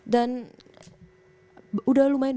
dan udah lumayan